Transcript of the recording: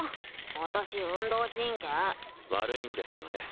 私運動神経悪いんですよね